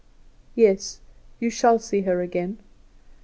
Yes; you shall see her again.